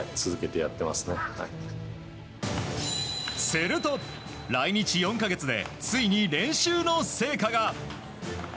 すると、来日４か月でついに練習の成果が。